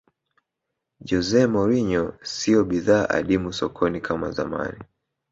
jose mourinho siyo bidhaa adimu sokoni kama zamani